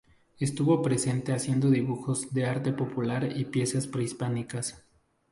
Estuvo presente haciendo dibujos de arte popular y piezas prehispánicas.